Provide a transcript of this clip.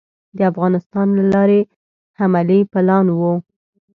د افغانستان له لارې حملې پلان وو.